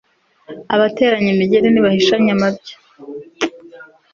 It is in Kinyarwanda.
abateranye imigeri ntibahishana amabya